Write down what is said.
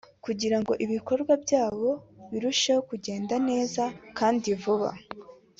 kugirango ibikorwa byayo birusheho kugenda neza kandi vuba